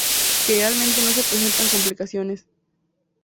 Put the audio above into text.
Generalmente no se presentan complicaciones.